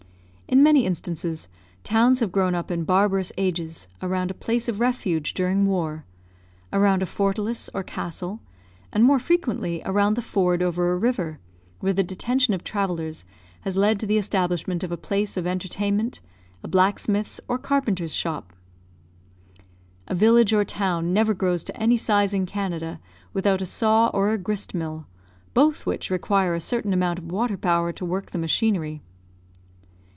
In many instances, towns have grown up in barbarous ages around a place of refuge during war; around a fortalice or castle, and more frequently around the ford over a river, where the detention of travellers has led to the establishment of a place of entertainment, a blacksmith's or carpenter's shop. A village or town never grows to any size in Canada without a saw or a grist mill, both which require a certain amount of water power to work the machinery.